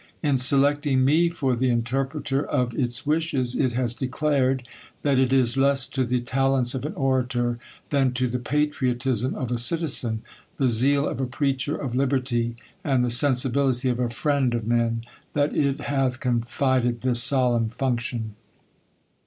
In selecting me for the interpreter of its wishes, it has declared, that it is less to the talents of an orator, than to th$ patriotism of a citizen, the zeal of a preacher of liberty, and the sensibility of a friend of men, that it hath confided this solemn function.